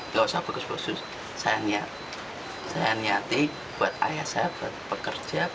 ketik fikri berasal dari rimbaan jawa tengah